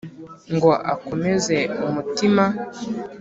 ngo akomeze umutima